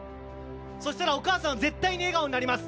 そうしたらお母さんは絶対に笑顔になります。